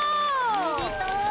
おめでとう！